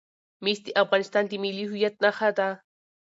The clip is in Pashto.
مس د افغانستان د ملي هویت نښه ده.